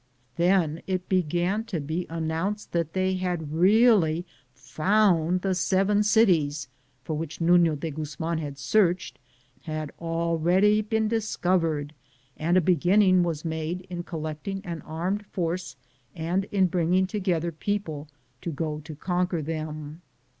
Then it began to be noised abroad that the Seven Cities for which NuBo de Guzman had searched, had already been discovered, and a beginning was made in collecting an armed force and in bringing together people to go to conquer them.